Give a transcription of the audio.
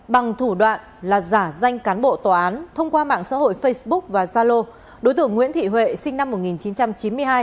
bằng thủ đoạn là giả danh cán bộ tòa án thông qua mạng xã hội facebook và zalo đối tượng nguyễn thị huệ sinh năm một nghìn chín trăm chín mươi hai